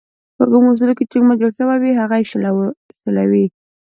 په کومو اصولو چې حکومت جوړ شوی وي هغه یې شلوي.